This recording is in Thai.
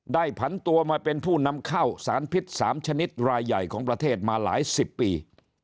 ผันตัวมาเป็นผู้นำเข้าสารพิษ๓ชนิดรายใหญ่ของประเทศมาหลายสิบปี